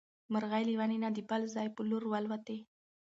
مرغۍ له ونې نه د بل ځای په لور والوتې.